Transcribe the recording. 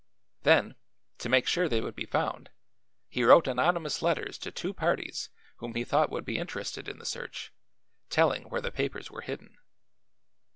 Then, to make sure they would be found, he wrote anonymous letters to two parties whom he thought would be interested in the search, telling where the papers were hidden."